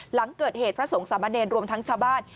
หลังเกิดเหตุพระสงฆ์สามะเนรรวมทั้งชาวบ้าน